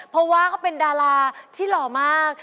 เพราะว่าเขาเป็นดาราที่หล่อมาก